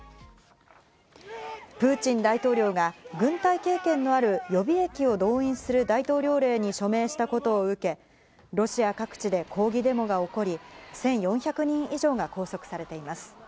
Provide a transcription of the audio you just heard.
プーチン大統領が軍隊経験のある予備役を動員する大統領令に署名したことを受け、ロシア各地で抗議デモが起こり、１４００人以上が拘束されています。